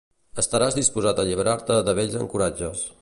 estaràs disposat a alliberar-te de vells ancoratges